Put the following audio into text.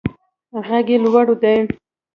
غږ یې لوړ دی.